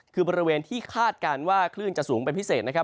คือบริเวณที่คาดการณ์ว่าคลื่นจะสูงเป็นพิเศษนะครับ